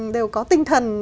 đều có tinh thần